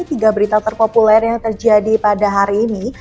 tiga berita terpopuler yang terjadi pada hari ini